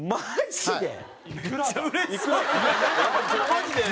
マジで？